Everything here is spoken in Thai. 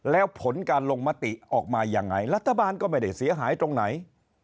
แล้วผลการลงมติออกมายังไงรัฐบาลก็ไม่ได้เสียหายตรงไหน